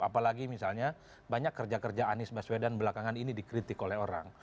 apalagi misalnya banyak kerja kerja anies baswedan belakangan ini dikritik oleh orang